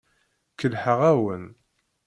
Kellḥeɣ-awen.